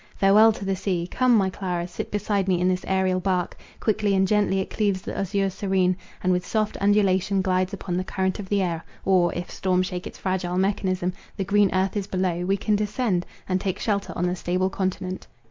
Farewell to the sea! Come, my Clara, sit beside me in this aerial bark; quickly and gently it cleaves the azure serene, and with soft undulation glides upon the current of the air; or, if storm shake its fragile mechanism, the green earth is below; we can descend, and take shelter on the stable continent.